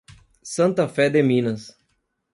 Santa Fé de Minas